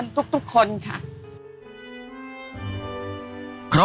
แต่ตอนเด็กก็รู้ว่าคนนี้คือพระเจ้าอยู่บัวของเรา